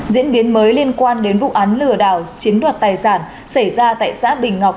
diễn biến mới liên quan đến vụ án lừa đảo chiếm đoạt tài sản xảy ra tại xã bình ngọc